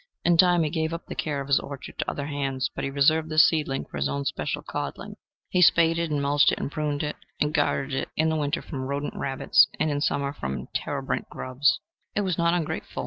In time he gave up the care of his orchard to other hands, but he reserved this seedling for his own especial coddling. He spaded and mulched and pruned it, and guarded it in the winter from rodent rabbits and in summer from terebrant grubs. It was not ungrateful.